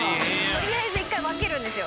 とりあえず１回わけるんですよ。